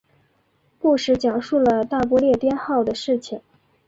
故事讲述了大不列颠号的事情。